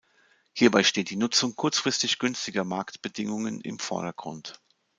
Hierbei steht die Nutzung kurzfristig günstiger Marktbedingungen im Vordergrund.